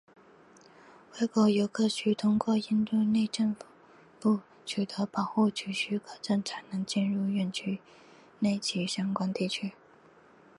外国游客需通过印度内政部取得保护区许可证才能进入园区内及相关地区。